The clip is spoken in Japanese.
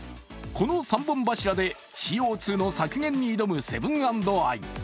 この３本柱でＣＯ２の削減に挑むセブン＆アイ。